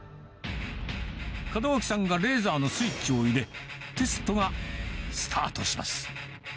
門脇さんがレーザーのスイッチを入れ、テストがスタートします。